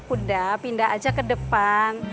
udah pindah aja ke depan